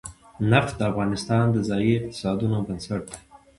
نفت د افغانستان د ځایي اقتصادونو بنسټ دی.